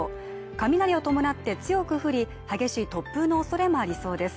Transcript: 雷を伴って強く降り激しい突風のおそれもありそうです